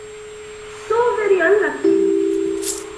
So very unlucky!